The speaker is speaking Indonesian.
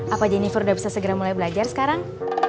apa jennifer udah bisa segera mulai belajar sekarang